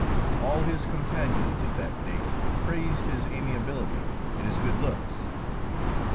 All his companions of that date praised his amiability and his good looks.